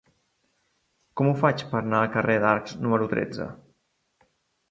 Com ho faig per anar al carrer dels Arcs número tretze?